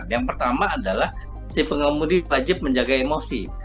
yang pertama adalah si pengemudi wajib menjaga emosi